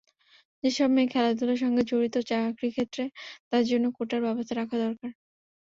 যেসব মেয়ে খেলাধুলার সঙ্গে জড়িত, চাকরিক্ষেত্রে তাঁদের জন্য কোটার ব্যবস্থা রাখা দরকার।